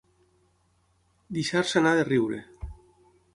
Deixar-se anar de riure.